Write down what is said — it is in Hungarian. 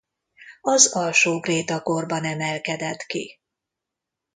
Az alsó kréta korban emelkedett ki.